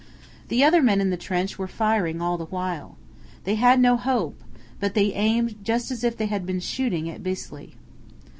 The other men in the trench were firing all the while. They had no hope; but they aimed just as if they had been shooting at Bisley.